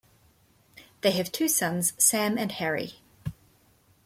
They have two sons, Sam and Harry.